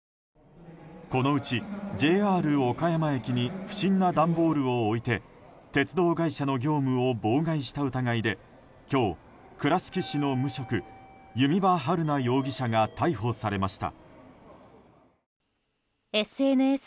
このうちＪＲ岡山駅に不審な段ボールを置いて鉄道会社の業務を妨害した疑いで今日、倉敷市の無職弓場晴菜容疑者が逮捕されました。